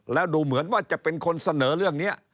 แล้วดูเหมือนว่าจะเป็นคนเสนอเรื่องนี้